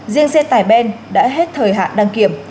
riêng xe tải ben đã hết thời hạn đăng kiểm